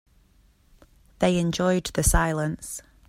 They enjoyed the silence.